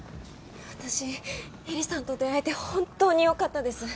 私エリさんと出会えて本当に良かったです。